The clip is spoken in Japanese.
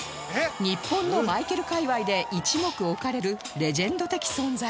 日本のマイケル界隈で一目置かれるレジェンド的存在